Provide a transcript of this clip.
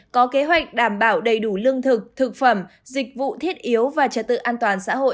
có kế hoạch đảm bảo đầy đủ lương thực thực phẩm dịch vụ thiết yếu và trật tự an toàn xã hội